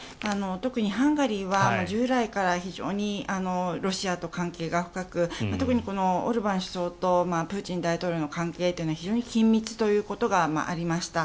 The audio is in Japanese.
特にハンガリーは従来から非常にロシアと関係が深く特にオルバン首相とプーチン大統領の関係というのは非常に緊密ということがありました。